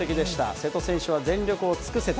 瀬戸選手は全力を尽くせた。